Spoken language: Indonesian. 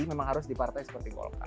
memang harus di partai seperti golkar